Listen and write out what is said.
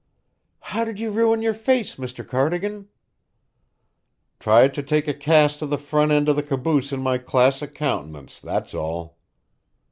"How did you ruin your face, Mr. Cardigan?" "Tried to take a cast of the front end of the caboose in my classic countenance that's all."